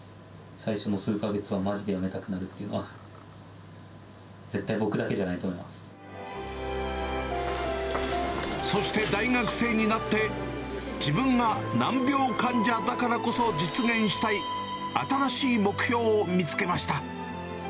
最初の数か月はまじでやめたくなるっていうのは、絶対僕だけじゃそして大学生になって、自分が難病患者だからこそ実現したい新しい目標を見つけました。